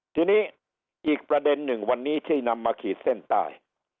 ทีนี้อีกประเด็นหนึ่งวันนี้ที่นำมาขีดเส้นใต้